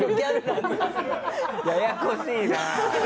ややこしいな！